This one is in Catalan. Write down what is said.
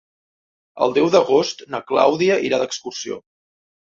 El deu d'agost na Clàudia irà d'excursió.